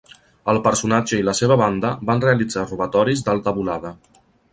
El personatge i la seva banda van realitzar robatoris d'alta volada.